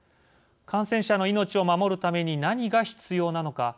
感染者の命を守るために何が必要なのか。